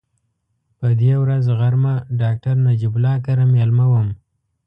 په دې ورځ غرمه ډاکټر نجیب الله کره مېلمه وم.